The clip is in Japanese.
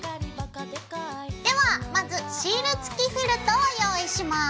ではまずシール付きフェルトを用意します。